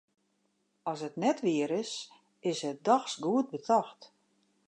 As it net wier is, is it dochs goed betocht.